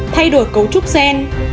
thay đổi cấu trúc gen